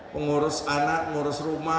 pengurus anak pengurus rumah